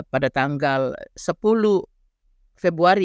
pada tanggal sepuluh februari